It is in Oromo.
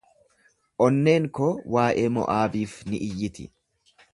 Onneen koo waa’ee Mo’aabiif ni iyyiti.